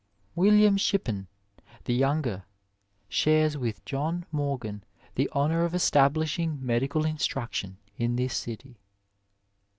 William Shippen the younger shares with John Morgan the honour of establishing medical instruction in this city.